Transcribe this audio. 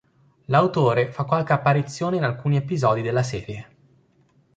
L'autore fa qualche apparizione in alcuni episodi della serie.